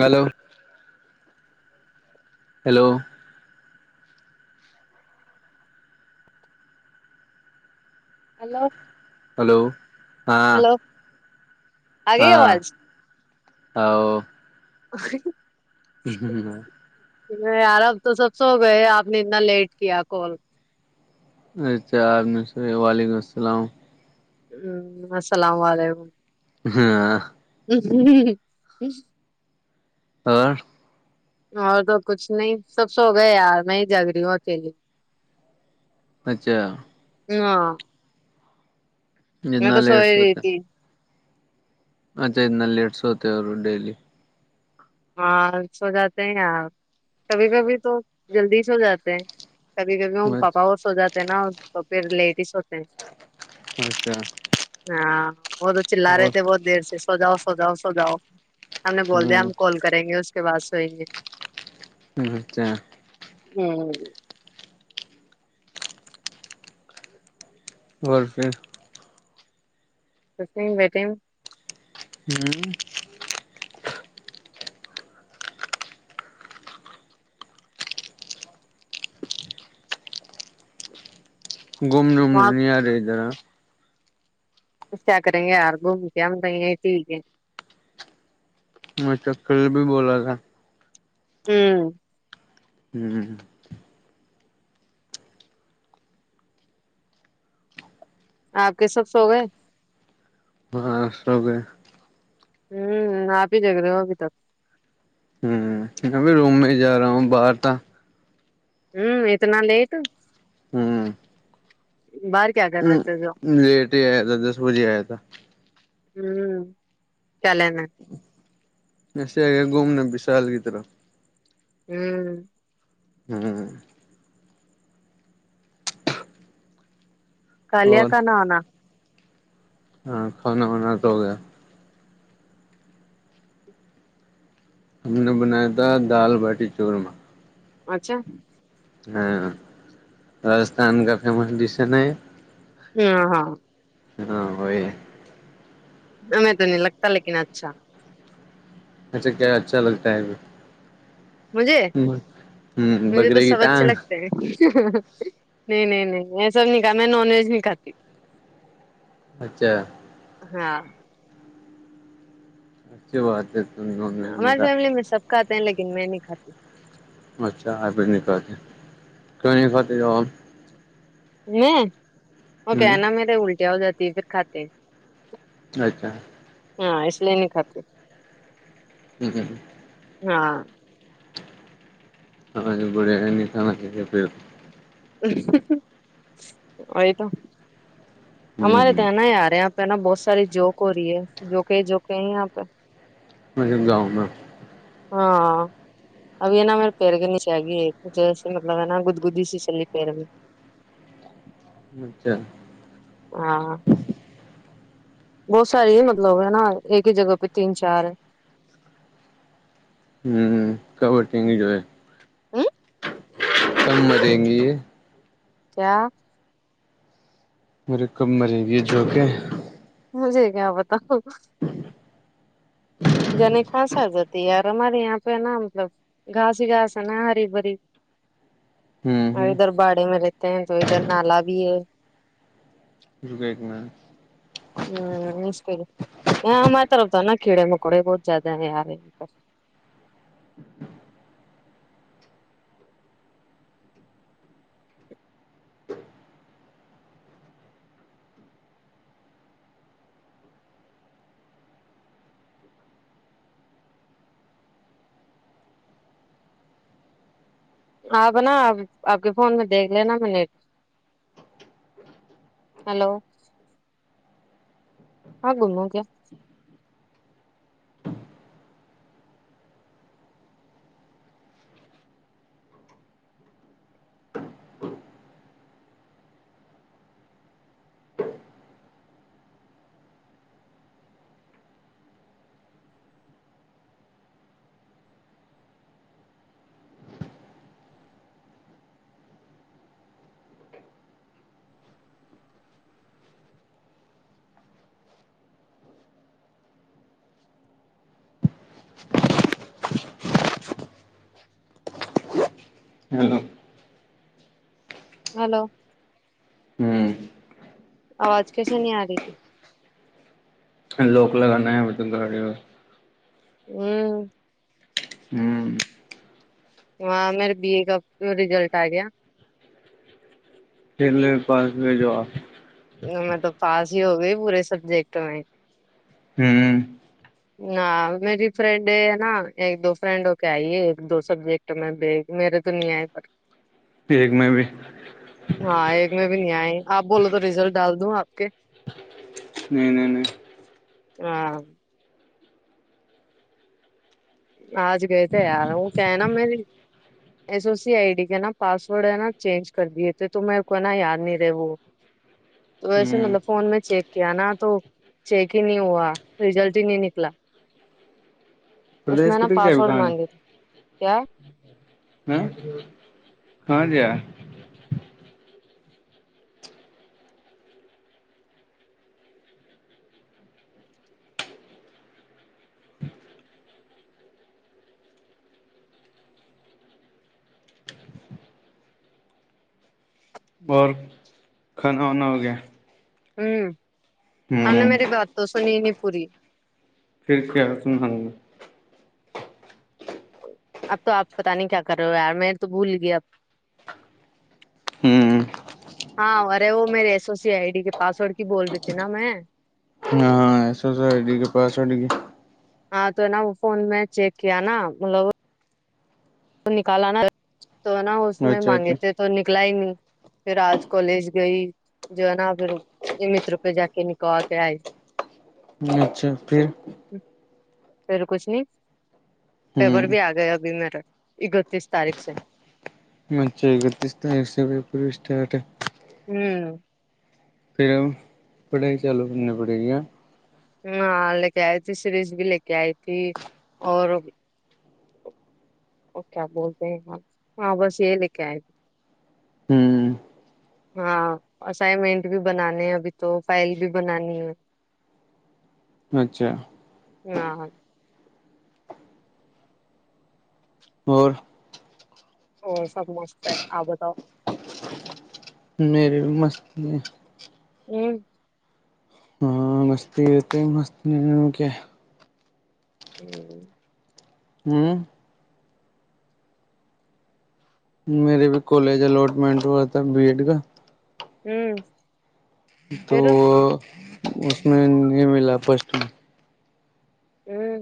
hello hello hello hello ہاں آگے ہاں آواز آؤ ہ ہ [inaudible] یار اب تو سب سو گئے آپ نے اتنا لیٹ کیا کال ا وعلیکم السلام ہوں السلام علیکم [unintelligible] ہاں [unintelligible] [inaudible] ہ [inaudible] ہ اور تو کچھ نہیں سب سو گئے یار میں جگ رہی ہوں اکیلیے اچھا ہاں میں جتنا تو لیٹ سوی سوتے رہیتی اچھا اتنا لیٹ سے ہوتے اور ڈیلی ہ سھو جاتے ہیں یار کبھی کبھی تو جلدی چھو جاتے ہیں کبھی کبھی وہ پاپا اور سو جاتے ہیں نا تو پھر لیڈیز ہوتے ہیں اچھا ہاں وہ تو چلا رہے اور تھے بہت دیر سے سوجاؤ سوجاؤ سوجاؤ ہم نے بول دیا ہ ہم کال کریں گے اس کے بعد سوئیں گے اچھا [unintelligible] ہوں گول پہ توسم بیٹم ہوں [unintelligible] گوم ڈوم ن آپ ن آارھرا کیا کریں گے یار گھوم کے ہم کہ چیک میں چ کل بھی بولا تھا [unintelligible] ہوں ہوں آپ کے سب سو گئے ہاں سب [unintelligible] ہوں آپ ہی دیکھ رہے ہو ابھی تک ہوں ابھی روم میں ہی جا رہا ہوں باہر تھا ہوں اتنا لیٹ [unintelligible] ہوں بار ہ لیٹ ہی آیا تھا دس بجے آیا تھا ہوں چلینا ایسے آ گ گھومنے وشال کی طرح ہوں ہوں [unintelligible] کالیا اور کاان آنا ہاں کھانا وانا تو ہو گیا ہم نے بنایا تھا دال باٹی چورما اچھا ہاں راجستھان کا فیمس ڈش ہے نا ہاں ہاں ہاں وہ ہمیں تو نہیں لگتا لیکن اچھا اچھا کیا اچھا لگتا ہے اب مجھے مجھے تو بکرے کی سب اچھے ٹانگ لگتے نہیں نہیں نہیں ایسا نہیں کا میں نان ویج نہیں کات اچھا ہاں اچ بات ہے تم نان ویج نہیں ہماری کھاتے فیملی میں سب کھاتے ہیں لیکن میں نہیں کھاتی اچھا آپ نکتی ک نہیں ختے ج ہم میں وہ کیا نا آپ میرے الٹیا ہو جاتی ہے پھر کھاتے اچھا ہاں اس لیے نہیں کاتتی جی ہاں ہ بڑے نہیں تھاان چاہے پھر ا تو ہمارے تو ہے نا یارے یہاں پہ ہے نا بہت ساری جوک ہو رہی ہے جوک جوکے یہاں پہ ملندا ہنا ہاں اب ہے ن میرے پیر کے نیے آ گئی ایک جیسسی مطلب ہے نا گدگدی سی چللی پیر میں اچھا ہاں بہت ساری ہی مطلب ہے نا ایک ہی جگہ پہ تین چار ہوں کب ہٹیں گی جو ہے ہ کب مریں گی یہ کیا میرے ک مر کی جو کہ مجھے کیا بتاؤ جنے خاصاادتی یار ہماری یہاں پہ نہا مطلب گاسی ہی گاس ہے نا ہری بری ہوں اور ہوں ادھر باڑے میں رہتے ہیں تو ادھر نالا بھی ہے رکےیک ہوں انسے آاں ماتااربتا نا کڑے مک ککوڑے بہت زیادہ ہیں آ رہے ہیںاں پر آپ نا آپ آپ کے فون میں دیکھ لینا میں نیٹ ہلو آ گوں م کیا ہ [inaudible] ہلو ہوں آواز کیسے نہیں آ رہی تھی لوک لگانا ہے م گاڑی و ہ [inaudible] ہوں وہاں میرے بی اے کا ریزلٹ آ گیا پھر ل پاس میں جو آ میںط توب پاس ہی ہو گئے پورے سبجیکٹ میں ہوں ہ میری فرینڈ ہے نا ایک دو فرینڈ ہو کے آئی ہے ایک دو سبجیکٹ تو میں بیے میرے تو نہیں آئے پر ایک میں بھی ہاں ایک میں بھی نہیں آئے آپ بولو تو ریزلٹ ڈال دوں آپ کے نہیں نہیں نہیں ہ آج گئے تھے یار وہ کہ نا میں نے ایسو سی آئی ڈی کے نا پاسورڈ ہے نا چینج کر دیے تھے تو میرے کو ہے نا یاد نہیں رہے وہ اچ تو ویسے مطلب فون میں چیک کیا نا تو چیک ہی نہیں ہوا ریزلٹ ہی نہیں نکلا اس پردیس میں نا کٹھ پاسورڈ چبکان مانگے کیا ہاں ہاں جا اور کھانا وانا ہو گیا ہوں س نے ہوں میری بات تو سنی نہیں پوری پھر کیا ہو تم ہم نے اب تو آپ پتہ نہیں کیا کر رہے ہو یار م تو بھول گیا اب ہوں ہاں ارے وہ میرے ایس اوسی آئی ڈی کے پاسورڈ کی بول رہی تھی نا میں ہاں ہاں ایس وس کے پاس گ ہاں تو ہے نا وہ فون میں چیک کیا نا مطلب نکالا نا تو نا اس میں اچھا اچھا مانگے تھے تو نکلا ہی نہیں پھر آج کالج گئی جو ہے نا پھر یہ متر پہ جا کے نکو کے آئے اچھا پھر پھر کچھ نہیں پیپر ہوں بھی آ گئے ابھی میرا یہ گتیس تاریخ سے مچ گتیست ہے پ پھر بھی اسٹارٹ ہوں پھر پڑھائی چالو کرنا پڑی گیا ہاں لے کے آئی تھی سیریز بھی لے کے آئی تھی اور اوک آپ بولتے ہیںاں ہاں بس یہ لے کے آئے بھی ہوں [unintelligible] ہاں اسائنمنٹ بھی بنانے ہیں ابھی تو فائل بھی بنانی ہے اچھا [unintelligible] [inaudible] اور سب مست ہے آب تو میرے بھی مست ا [unintelligible] ہاں مستی اتے مست کیا ا [unintelligible] [inaudible] ہوں [unintelligible] میرے بھی کالج اٹمنٹ ہوا تھا بی ایڈ کا ہوں [unintelligible] تو پھر اس میں نہیں ملا فسٹ میں ہوں [unintelligible]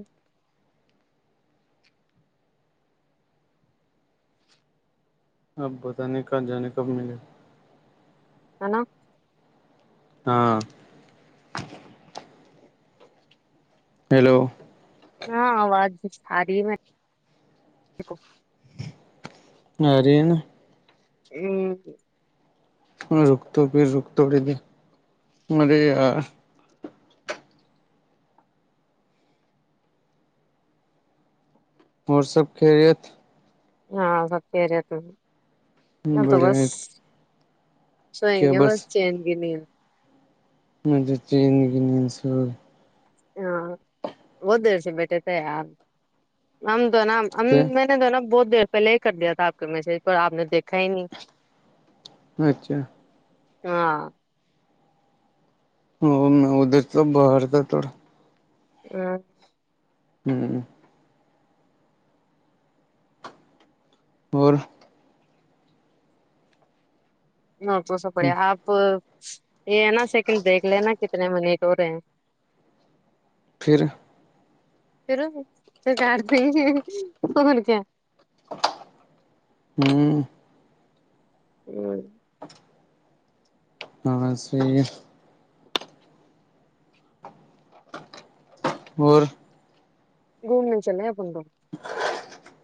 اپ بتاے کہاں جانے کب ملے ہے نا [unintelligible] ہاں ہیلو ہاں آواز اری ہے کو اری [unintelligible] ا [unintelligible] رک تو پھر رک تو [unintelligible] اور سب خیریت ہاں سب کہ رہےتھے تو بس بڑھیا [unintelligible] سوئیں گ بس چین گ نہیں [unintelligible] م چین گ نینسو [unintelligible] ہاں وہہت سے بیٹ تھے [unintelligible] تو کیا نا بہت دیر پہلے ہی کر دیا تھا آپ کے میسج پر آپ نے دیکھا ہی نہیں اچھا ہاں ا میں ادھر تو باہر تھا تھوڑا ا [unintelligible] ہوں [unintelligible] اور نہ پوسا پڑے آپ یہ ہے نا سیکنڈ دیکھ لینا کتنے منٹ ہو رہے ہیں پھر پھر تو کال نہیں نے کیا ہوں [unintelligible] ہ [unintelligible] [inaudible] [unintelligible] اور [unintelligible]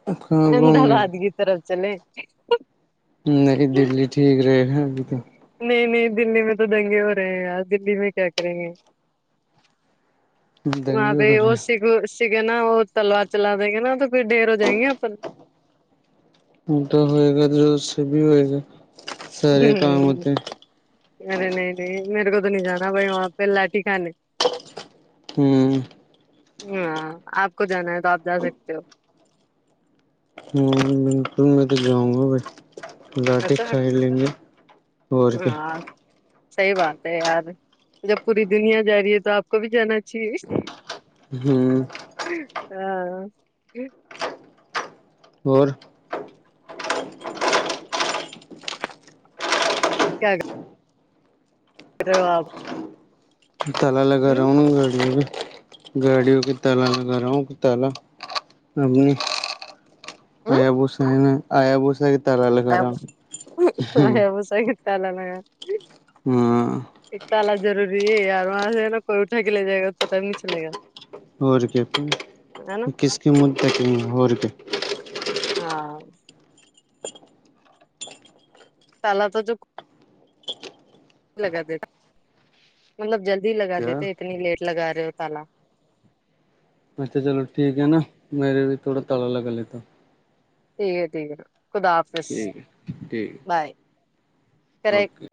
کہاں احمدا گھومنے آباد کی طرف چلے نہیں دلی ٹھیک رہے ہیں نہیں نہیں دللی میں تو دنگے ہو رہے ہیں آج دللی میں کیا کریں گے وہاں دنگے پہ ہو رہے وہ س سے نا وہ تلوار چلا دیں گے نا تو پھر ڈھیر ہو جائیں گے تو ہوئے گا دھر اس سے بھی ہوئے گا سارے کام ہوتے اے نہیں نہیں میرے کو تو نہیں جانا بائی وہاں پہ لا ٹھ کانے ہوں ہاں آپ کو جانا ہے تو آپ جا سکتے ہو ہاں ج بالکل میں تو جاؤں گا ب لاٹٹی اچھا کھائی لیں گے اور کے صحی بات ہے یار جب پوری دنیا جا رہی ہے تو آپ کو بھی جانا چاہیے ہوں ہاں اور کیا کر رہے ہو آپ تلا لگا ہوں رہاؤنا گاڑی بھی گاڑیوں کی تال لگا رہا ہوں کہ تالا اپ نے آ بوسا ہے ن آیا بوسا کہ بس گتتاال ن گ ہاں اتالا ضروری ہےیار وہاں سے ہے نا کوئی اٹھا کے لے جائے گا تو ٹائم نہیں چلے گا اور کیا ہے نا پھر کس کی مدت کہیں گے اور کیا ہاں پہللا تو جو لگا دیتا مطلب جلدی لگا کیا دیتے اتنی لیٹ لگا رہے ہو تالا اچھا چلو ٹھیک ہے نا میرے بھی تھوڑا تالا لگا لےتا ٹھیک ہے ٹھیک ہے خدا حافظ ٹھیک ہے ٹھیک ہے بائے کر اوکے